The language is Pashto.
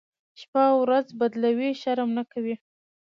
شپه ورځ بدلوي، شرم نه کوي.